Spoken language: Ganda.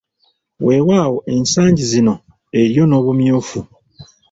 Weewaawo ensangi zino eriyo n’obumyufu.